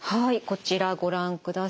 こちらご覧ください。